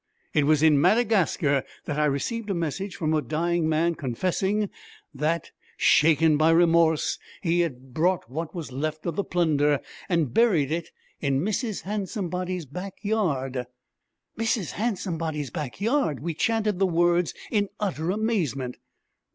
It was in Madagascar that I received a message from a dying man, confessing that, shaken by remorse, he had brought what was left of the plunder and buried it in Mrs. Handsomebody's back yard.' 'Mrs. Handsomebody's back yard!' We chanted the words in utter amazement.